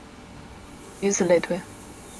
以此类推。